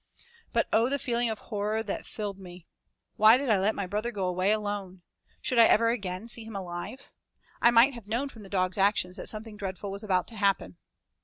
But oh, the feeling of horror that filled me! Why did I let my brother go away alone? Should I ever again see him alive? I might have known from the dog's actions that something dreadful was about to happen.